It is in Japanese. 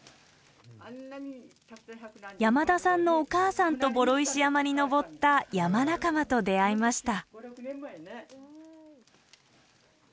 山田さんのお母さんと双石山に登った山仲間と出会いました。